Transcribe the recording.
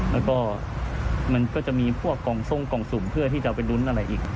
แล้วก็มันก็จะมีพวกกล่องทรงกล่องสุ่มเพื่อที่จะไปลุ้นอะไรอีก